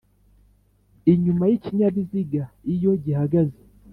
Inyuma y ikinyabiziga iyo gihagaze